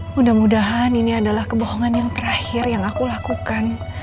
mudah mudahan ini adalah kebohongan yang terakhir yang aku lakukan